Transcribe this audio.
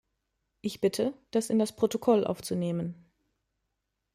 Ich bitte, das in das Protokoll aufzunehmen.